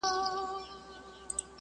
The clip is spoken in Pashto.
بې نظمي ټولنه خرابوي.